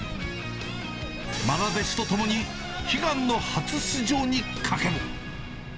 まな弟子と共に、悲願の初出場にかける。